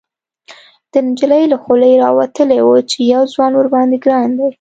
، د نجلۍ له خولې راوتلي و چې يو ځوان ورباندې ګران دی.